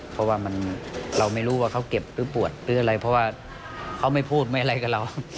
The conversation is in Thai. เพราะว่าเราไม่รู้ว่าเขาเก็บหรือปวดหรืออะไรเพราะว่าเขาไม่พูดไม่อะไรกับเรา